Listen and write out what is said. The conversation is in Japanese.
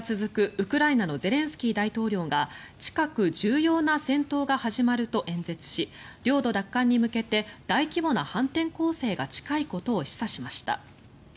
ウクライナのゼレンスキー大統領が近く重要な戦闘が始まると演説し領土奪還に向けて大規模な反転攻勢が近いことを示唆しました。